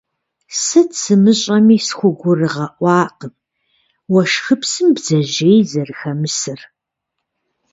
Сыт сымыщӀэми схугурыгъэӀуакъым уэшхыпсым бдзэжьей зэрыхэмысыр.